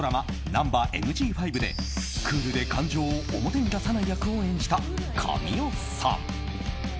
「ナンバＭＧ５」でクールで感情を表に出さない役を演じた神尾さん。